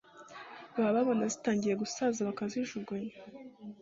baba babona zitangiye gusaza bakazijugunya